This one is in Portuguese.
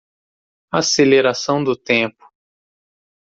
Aceleração do tempo.